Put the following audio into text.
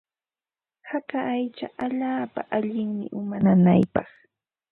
Haka aycha allaapa allinmi uma nanaypaq.